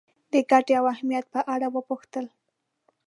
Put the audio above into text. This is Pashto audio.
د ګټې او اهمیت په اړه وپوښتل.